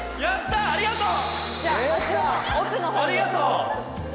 ありがとう！